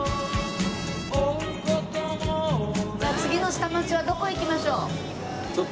じゃあ次の下町はどこ行きましょう？